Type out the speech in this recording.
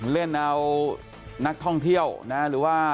เล่นนักท่องเที่ยวหรือว่า